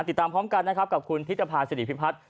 ติดตามพร้อมกันนะครับกับคุณพิธภาษิริพิพัฒน์